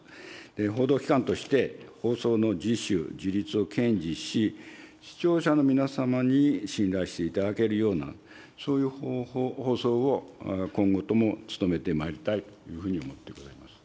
報道機関として、放送の自主・自律を堅持し、視聴者の皆様に信頼していただけるような、そういう放送を今後とも努めてまいりたいというふうに思ってございます。